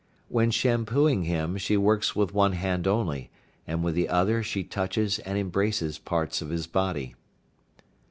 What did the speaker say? When shampooing him she works with one hand only, and with the other she touches and embraces parts of his body.